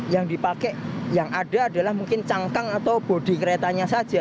yang dipakai yang ada adalah mungkin cangkang atau bodi keretanya saja